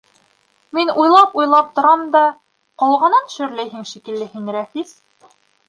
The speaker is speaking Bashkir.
— Мин уйлап-уйлап торам да, ҡолғанан шөрләйһең шикелле һин, Рәфис?